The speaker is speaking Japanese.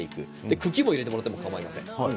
茎も入れてもらってかまいません。